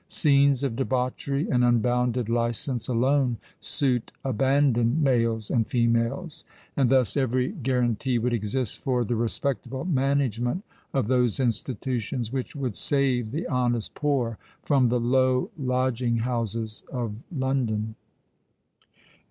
Scenes of debauchery and unbounded license alone suit abandoned males and females;—and thus every guarantee would exist for the respectable management of those institutions which would save the honest poor from the low lodging houses of London.